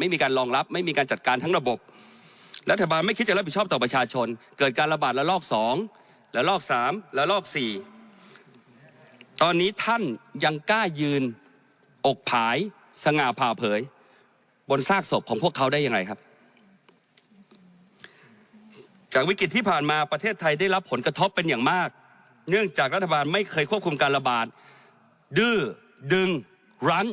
ไม่มีการรองรับไม่มีการจัดการทั้งระบบรัฐบาลไม่คิดจะรับผิดชอบต่อประชาชนเกิดการระบาดระลอกสองและลอกสามและลอกสี่ตอนนี้ท่านยังกล้ายืนอกผายสง่าผ่าเผยบนซากศพของพวกเขาได้ยังไงครับจากวิกฤตที่ผ่านมาประเทศไทยได้รับผลกระทบเป็นอย่างมากเนื่องจากรัฐบาลไม่เคยควบคุมการระบาดดื้อดึงรั้ง